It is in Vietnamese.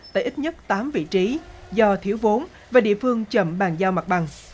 tại ít nhất tám vị trí do thiếu vốn và địa phương chậm bàn giao mặt bằng